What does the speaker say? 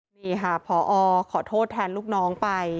นี่ค่ะพอขอโทษแทนลูกน้องไป